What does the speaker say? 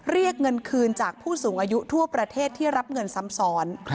เรียกเงินคืนจากผู้สูงอายุทั่วประเทศที่รับเงินซ้ำซ้อน